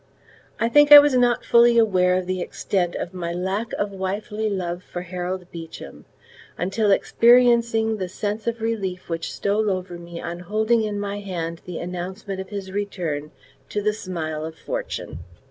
I think I was not fully aware of the extent of my lack of wifely love for Harold Beecham, until experiencing the sense of relief which stole over me on holding in my hand the announcement of his return to the smile of fortune.